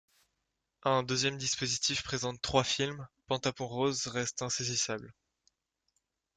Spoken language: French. Un deuxième dispositif présente trois films, Pantapon Rose reste insaisissable.